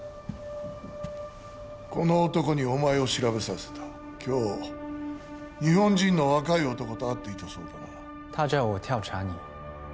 この男にお前を調べさせた今日日本人の若い男と会っていたそうだな